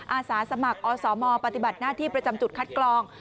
อาสาสมัครอสมปฏิบัติหน้าที่ประจำจุดคัดกรอง